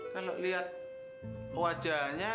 kalau liat wajahnya